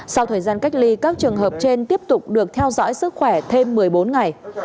sau thời gian cách ly các trường hợp trên tiếp tục được theo dõi sức khỏe thêm một mươi bốn ngày